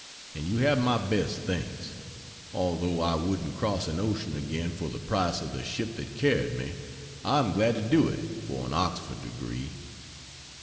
and you have my best thanks. Although I wouldn't cross an ocean again for the price of the ship that carried me, I am glad to do it for an Oxford degree.